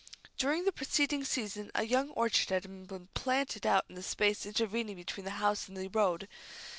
During the preceding season a young orchard had been planted out in the space intervening between the house and the road.